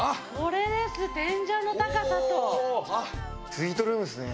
スイートルームですね。